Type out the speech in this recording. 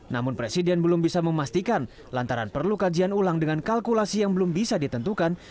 namun presiden belum bisa memastikan lantaran perlu kajian ulang dengan kalkulasi yang belum bisa ditentukan